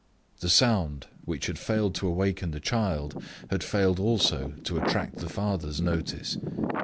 The sound, which had failed to awaken the child, had failed also to attract the father's notice.